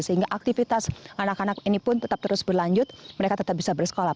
sehingga aktivitas anak anak ini pun tetap terus berlanjut mereka tetap bisa bersekolah